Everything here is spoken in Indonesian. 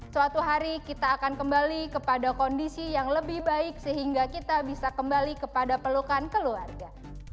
suatu hari kita akan kembali kepada kondisi yang lebih baik sehingga kita bisa kembali kepada pelukan keluarga